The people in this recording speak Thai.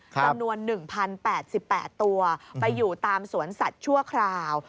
จำนวน๑๐๘๘ตัวไปอยู่ตามสวนสัตว์ชั่วคราว